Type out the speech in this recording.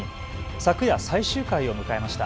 昨夜、最終回を迎えました。